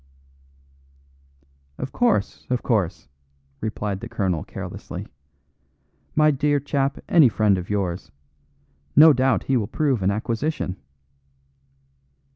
"Of course, of course," replied the colonel carelessly "My dear chap, any friend of yours. No doubt he will prove an acquisition."